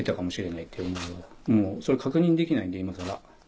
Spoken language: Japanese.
それ確認できないんで今から。